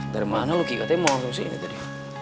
dari mana lo kiketnya mau langsung sini tadi